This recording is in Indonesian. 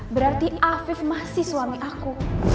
berarti afif masih suami aku